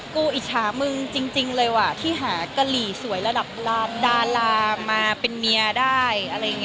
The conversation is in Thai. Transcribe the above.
กูอิชามึงจริงเลยว่ะที่หากะหรี่สวยระดับดาลามาเป็นเมียได้